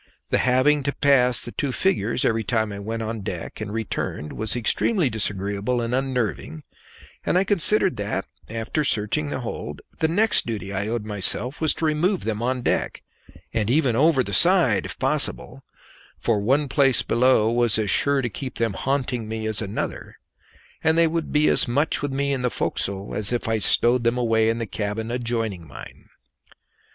The having to pass the two figures every time I went on deck and returned was extremely disagreeable and unnerving, and I considered that, after searching the hold, the next duty I owed myself was to remove them on deck, and even over the side, if possible, for one place below was as sure to keep them haunting me as another, and they would be as much with me in the forecastle as if I stowed them away in the cabin adjoining mine.